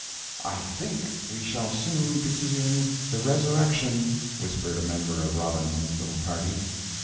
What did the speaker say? "I think we shall soon be in the resurrection," whispered a member of Robinson's little party.